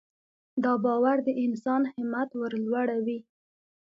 دا باور د انسان همت ورلوړوي.